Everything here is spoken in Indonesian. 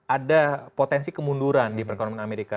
ada potensi kemunduran di perekonomian amerika